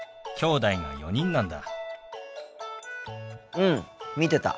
うん見てた。